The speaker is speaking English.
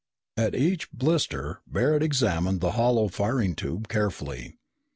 At each blister Barret examined the hollow firing tube carefully.